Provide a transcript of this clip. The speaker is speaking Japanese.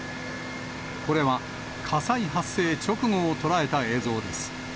これは火災発生直後を捉えた映像です。